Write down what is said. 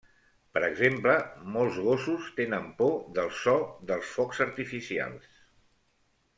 Per exemple, molts gossos tenen por del so dels focs artificials.